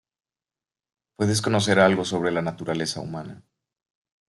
Puedes conocer algo sobre la naturaleza humana".